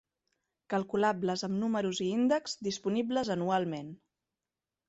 Calculables amb números i índexs disponibles anualment.